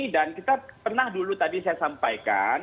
dan kita pernah dulu tadi saya sampaikan